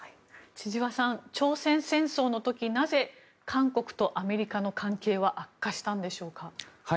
千々和さん、朝鮮戦争の時なぜ韓国とアメリカの関係は悪化したんでしょうか。